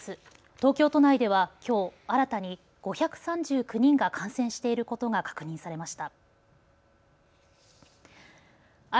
東京都内ではきょう新たに５３９人が感染していることが確認されました。